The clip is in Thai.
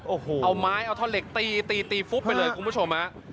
โอ้โหเอาไม้เอาทอเล็กตีไปเลยคุณผู้ชมอ่ะ